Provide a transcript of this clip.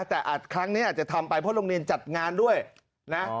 แต่อาจครั้งนี้อาจจะทำไปเพราะโรงเรียนจัดงานด้วยนะ